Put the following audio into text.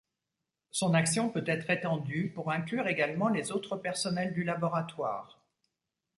Son action peut être étendue pour inclure également les autres personnels du Laboratoire.